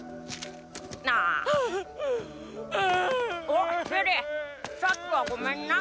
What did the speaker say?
おチェリーさっきはごめんな。